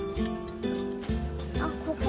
あっここ？